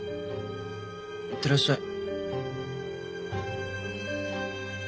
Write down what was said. いってらっしゃい。